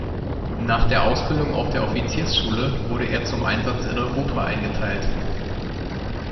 Nach der Ausbildung auf der Offiziersschule wurde er zum Einsatz in Europa eingeteilt.